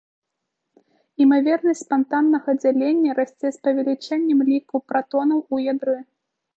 Імавернасць спантаннага дзялення расце з павелічэннем ліку пратонаў у ядры.